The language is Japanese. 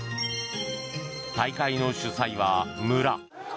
大会の主催は村。